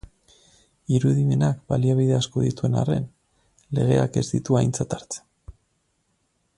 Irudimenak baliabide asko dituen arren, legeak ez ditu aintzat hartzen.